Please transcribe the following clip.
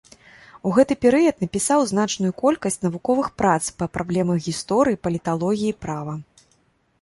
У гэты перыяд напісаў значную колькасць навуковых прац па праблемах гісторыі, паліталогіі, права.